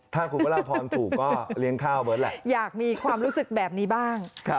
ถ้าคุณพระราพรถูกก็เลี้ยงข้าวเบิร์ตแหละอยากมีความรู้สึกแบบนี้บ้าง